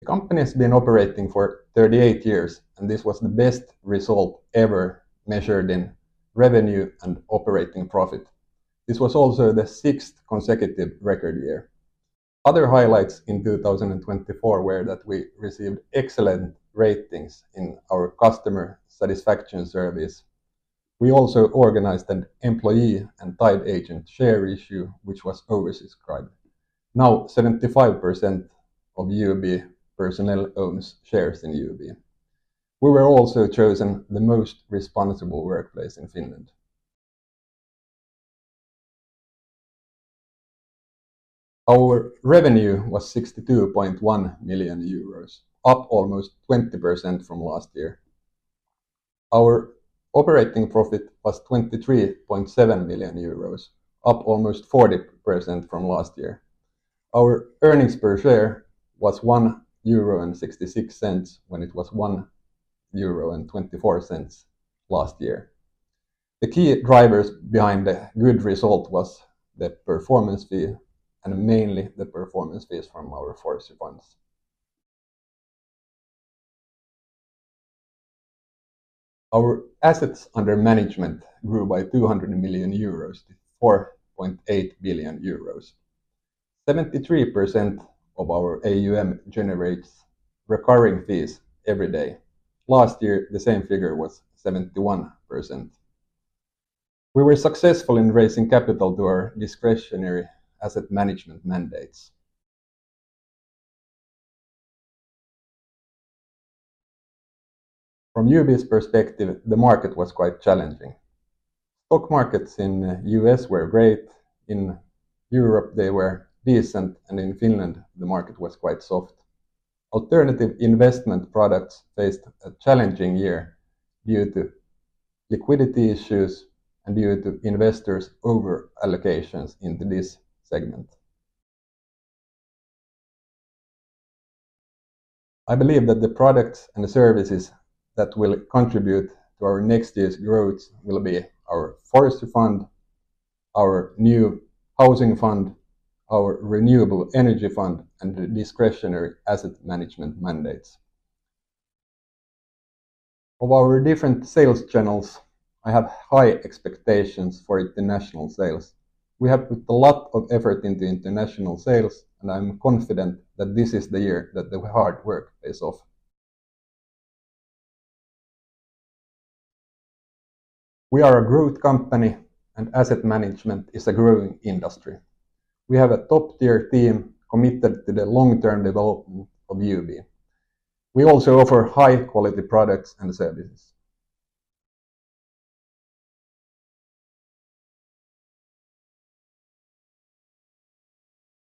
The company has been operating for 38 years, and this was the best result ever measured in revenue and operating profit. This was also the sixth consecutive record year. Other highlights in 2024 were that we received excellent ratings in our customer satisfaction service. We also organized an employee and tied agent share issue, which was oversubscribed. Now, 75% of UB personnel owns shares in UB. We were also chosen the Most Responsible Workplace in Finland. Our revenue was 62.1 million euros, up almost 20% from last year. Our operating profit was 23.7 million euros, up almost 40% from last year. Our earnings per share was 1.66 euro when it was 1.24 euro last year. The key drivers behind the good result were the performance fee and mainly the performance fees from our forestry funds. Our assets under management grew by 200 million euros to 4.8 billion euros. 73% of our AUM generates recurring fees every day. Last year, the same figure was 71%. We were successful in raising capital to our discretionary asset management mandates. From UB's perspective, the market was quite challenging. Stock markets in the U.S. were great; in Europe, they were decent, and in Finland, the market was quite soft. Alternative investment products faced a challenging year due to liquidity issues and due to investors' over-allocations in this segment. I believe that the products and the services that will contribute to our next year's growth will be our forestry fund, our new housing fund, our renewable energy fund, and the discretionary asset management mandates. Of our different sales channels, I have high expectations for international sales. We have put a lot of effort into international sales, and I'm confident that this is the year that the hard work pays off. We are a growth company, and asset management is a growing industry. We have a top-tier team committed to the long-term development of UB. We also offer high-quality products and services.